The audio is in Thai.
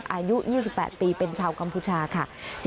อายุ๒๘ปีเป็นชาวกัมพูชาค่ะ